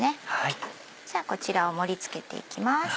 じゃあこちらを盛り付けていきます。